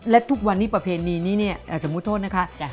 และทุกวันนี้ประเพณีนี้เนี่ยสมมุติโทษนะคะ